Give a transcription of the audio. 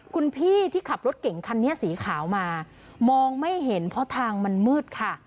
คุณพี่ที่ขับรถเก่งคันนี้สีขาวมามองไม่เห็นเพราะทางมันมืดค่ะ